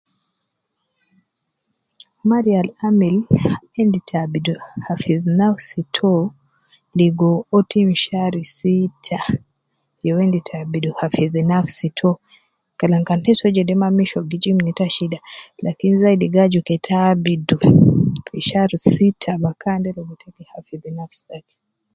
Mariya al amil endi te abidu hafidh nafsi to ligo uwo tim shari sitta ye uwo endi te abidu hafidh nafsi to, kalam kan ta soo jede mma misho gi jib neita shida, lakin zaidi gi aju ke ta abidu fi shar sitta bakan de ligo te gi hafidh nafsi taki.